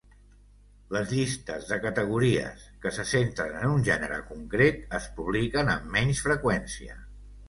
Les llistes de categories, que se centren en un gènere concret, es publiquen amb menys freqüència.